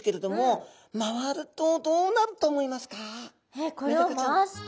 えっこれを回すと？